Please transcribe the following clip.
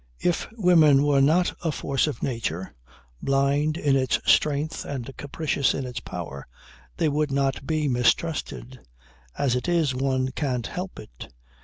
If women were not a force of nature, blind in its strength and capricious in its power, they would not be mistrusted. As it is one can't help it.